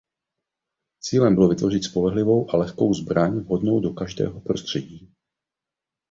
Cílem bylo vytvořit spolehlivou a lehkou zbraň vhodnou do každého prostředí.